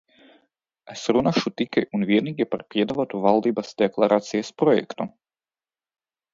Es runāšu tikai un vienīgi par piedāvāto valdības deklarācijas projektu.